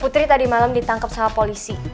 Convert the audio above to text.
putri tadi malam ditangkap sama polisi